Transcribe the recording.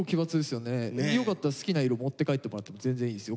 よかったら好きな色持って帰ってもらっても全然いいですよ